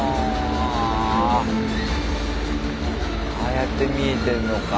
ああやって見えてんのか。